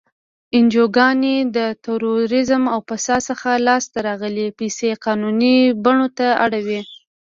انجوګانې د تروریزم او فساد څخه لاس ته راغلی پیسې قانوني بڼو ته اړوي.